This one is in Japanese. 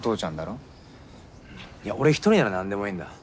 いや俺一人なら何でもいいんだ。